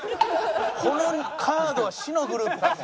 このカードは死のグループかも。